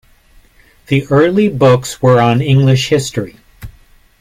The early books were on English history.